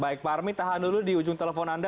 baik pak armi tahan dulu di ujung telepon anda